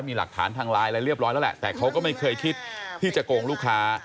มีหลักฐานทางไลน์อะไรเรียบร้อยแล้วแหละแต่เขาก็ไม่เคยคิดที่จะโกงลูกค้า